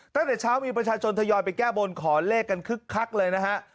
ตั้งแต่เช้ามีประชาชนทยอยไปแก้บนขอเลขกันคึกคักเลยนะฮะ